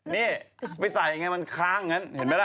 นี่ไปใส่ไงมันค้างอย่างนั้นเห็นไหมล่ะ